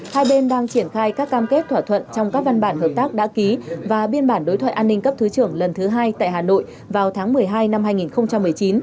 hai bên đang triển khai các cam kết thỏa thuận trong các văn bản hợp tác đã ký và biên bản đối thoại an ninh cấp thứ trưởng lần thứ hai tại hà nội vào tháng một mươi hai năm hai nghìn một mươi chín